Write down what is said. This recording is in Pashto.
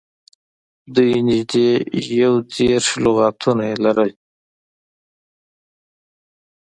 دوی نږدې یو دېرش لغاتونه یې لرل.